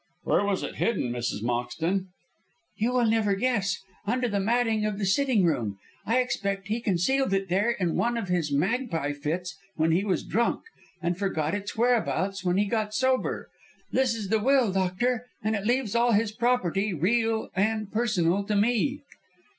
"Where was it hidden, Mrs. Moxton?" "You will never guess. Under the matting of the sitting room. I expect he concealed it there in one of his magpie fits when he was drunk, and forgot its whereabouts when he got sober. This is the will, doctor, and it leaves all his property, real and personal, to me."